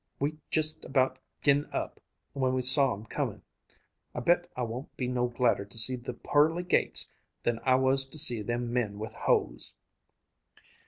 We'd just about gi'n up when we saw 'em coming. I bet I won't be no gladder to see the pearly gates than I was to see them men with hoes."